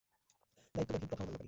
দায়িত্বজ্ঞানহীন, প্রথা অমান্যকারী।